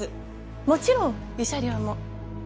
もちろん慰謝料も。